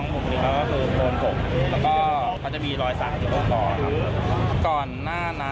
ก็ขอแสดงความเสียใจกับครอบครัวด้วยนะคะ